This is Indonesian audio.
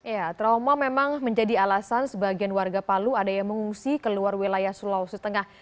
ya trauma memang menjadi alasan sebagian warga palu ada yang mengungsi ke luar wilayah sulawesi tengah